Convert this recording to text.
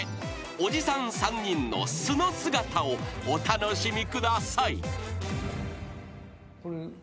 ［おじさん３人の素の姿をお楽しみください］